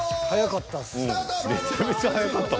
［めちゃめちゃ速かった］